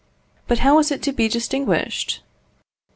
But how is it to be distinguished?